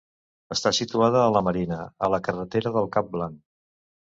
Està situada a la Marina, a la carretera del Cap Blanc.